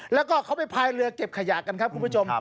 แล้วก็เขาไปพายเรือเก็บขยะกันครับคุณผู้ชม